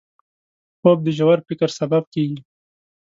خوب د ژور فکر سبب کېږي